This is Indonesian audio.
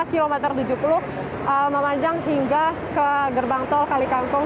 kilometer tujuh puluh memanjang hingga ke gerbang tol kalikangkung